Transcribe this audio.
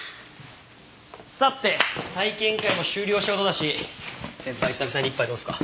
さて体験会も終了した事だし先輩久々に一杯どうですか？